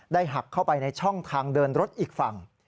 หักเข้าไปในช่องทางเดินรถอีกฝั่ง